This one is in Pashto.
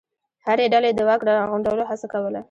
هرې ډلې د واک د راغونډولو هڅه کوله.